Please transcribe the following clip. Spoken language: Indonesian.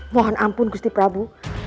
mohon ampun gusti prabu